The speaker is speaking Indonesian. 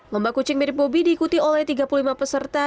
lomba kucing mirip bobi diikuti oleh tiga puluh lima peserta